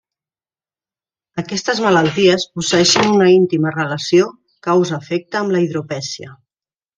Aquestes malalties posseeixen una íntima relació causa-efecte amb la hidropesia.